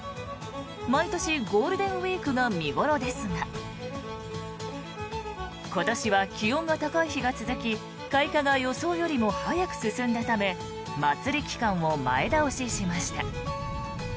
毎年、ゴールデンウィークが見頃ですが今年は気温が高い日が続き開花が予想よりも早く進んだため祭り期間を前倒ししました。